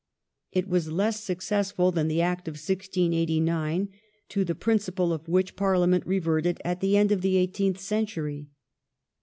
It was less successful than the Act of 1689, to the principle of which Parliament reverted at the end of the eighteenth century.